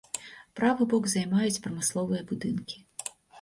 Правы бок займаюць прамысловыя будынкі.